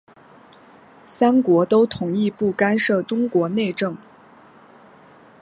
三国都同意不干涉中国内政。